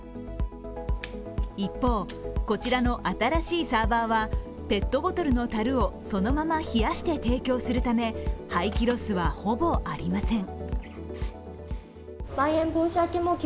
一方、こちらの新しいサーバーはペットボトルのたるを、そのまま冷やして提供するため廃棄ロスは、ほぼありません。